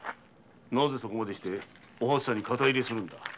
なぜそこまでお初さんに肩入れするんだ。